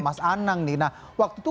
mas anang nih nah waktu itu